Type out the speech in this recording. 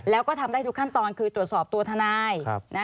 แล้วก็ทำได้ทุกขั้นตอนคือตรวจสอบตัวทนาย